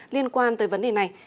liên quan tới vấn đề này